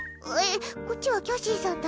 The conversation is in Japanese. こっちはキャシーさんだ。